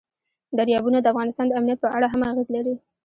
دریابونه د افغانستان د امنیت په اړه هم اغېز لري.